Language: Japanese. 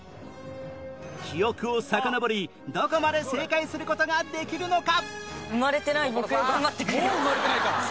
記憶をさかのぼりどこまで正解する事ができるのか？